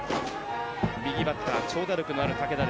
右バッター、長打力のある武田。